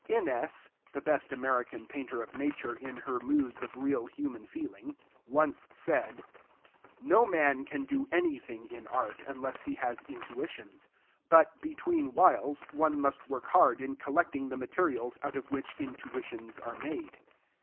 Inness (the best American painter of Nature in her moods of real human feeling) once said, "No man can do anything in art, unless he has intuitions; but, between whiles, one must work hard in collecting the materials out of which intuitions are made."